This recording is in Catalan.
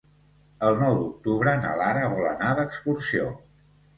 El nou d'octubre na Lara vol anar d'excursió.